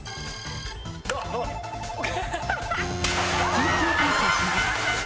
緊急停車します。